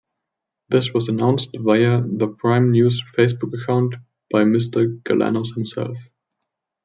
This was announced via the Prime News Facebook account by Mr. Galanos himself.